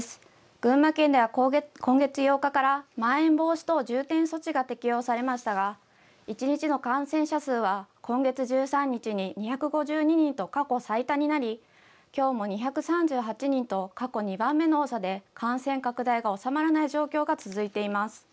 群馬県では今月８日からまん延防止等重点措置が適用されましたが一日の感染者数は今月１３日に２５２人と過去最多になりきょうも２３８人と過去２番目の多さで感染拡大が収まらない状況が続いています。